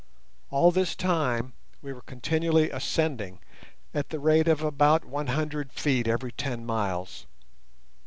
All this time we were continually ascending at the rate of about one hundred feet every ten miles.